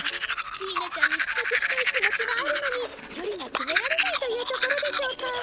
フィーネちゃんに近づきたい気持ちはあるのに距離が詰められないというところでしょうか。